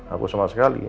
aku sama sekali